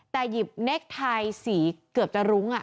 แต่หยิบเน็กไทยสีเกือบจะรุ้ง